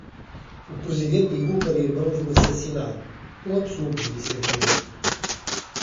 O presidente ligou para irmãos do assassinado: 'um absurdo', disse a viúva